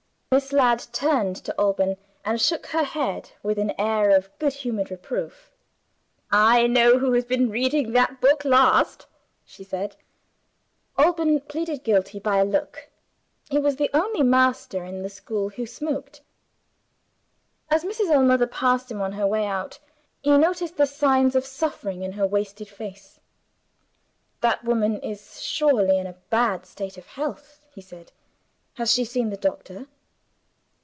Miss Ladd turned to Alban, and shook her head with an air of good humored reproof. "I know who has been reading that book last!" she said. Alban pleaded guilty, by a look. He was the only master in the school who smoked. As Mrs. Ellmother passed him, on her way out, he noticed the signs of suffering in her wasted face. "That woman is surely in a bad state of health," he said. "Has she seen the doctor?"